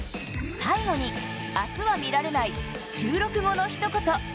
最後に明日は見られない収録後のひと言。